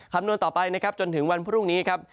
คำนวณต่อไปนะครับจนถึงวันพรุ่งนี้ครับ